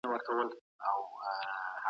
سياستوال بايد تل خپلو ژمنو ته ژمن پاته سي.